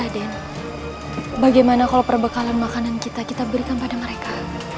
bagaimana kalau perbekalan makanan kita kita berikan pada mereka